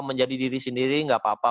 menjadi diri sendiri gak apa apa